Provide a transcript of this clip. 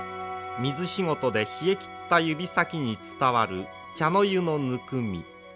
水仕事で冷えきった指先に伝わる茶の湯のぬくみ。